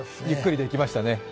ゆっくりできましたね。